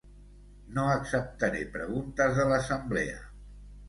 No acceptaré preguntes de l'assemblea.